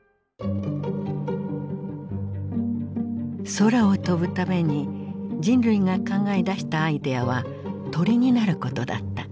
空を飛ぶために人類が考え出したアイデアは鳥になることだった。